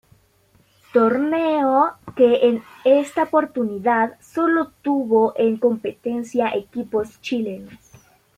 Torneo que en esta oportunidad sólo tuvo en competencia equipos chilenos.